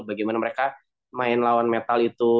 bagaimana mereka main lawan metal itu